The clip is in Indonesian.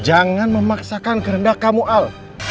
jangan memaksakan kehendak kamu al